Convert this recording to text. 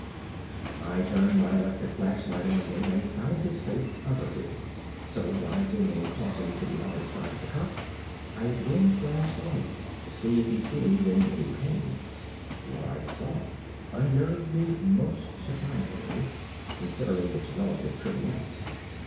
I turned my electric flashlight on him and found his face averted; so rising and crossing to the other side of the cot, I again flashed the light to see if he seemed in any pain. What I saw unnerved me most surprisingly, considering its relative triviality.